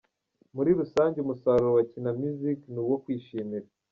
Muri rusange umusaruro wa Kina Music ni uwo kwishimira.